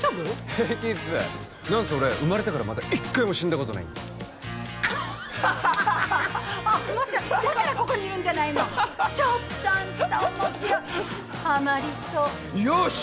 平気っすなんせ俺生まれてからまだ一回も死んだことないんで面白いだからここにいるんじゃないのちょっとあんた面白いハマりそうよし！